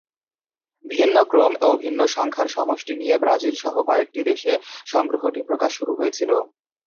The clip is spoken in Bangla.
ভিন্ন ক্রম ও ভিন্ন সংখ্যার সমষ্টি নিয়ে ব্রাজিল সহ কয়েকটি দেশে সংগ্রহটি প্রকাশ শুরু হয়েছিল।